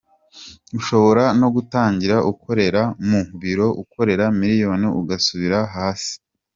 Ushobora no gutangira ukorera mu biro ukorera miliyoni, ugasubira hasi.